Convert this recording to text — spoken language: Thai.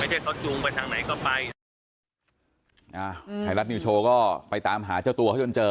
หายรัฐมิวโชว์ก็ไปตามหาเจ้าตัวเขาจนเจอ